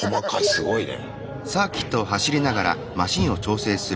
すごいね。